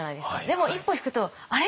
でも一歩引くと「あれ？」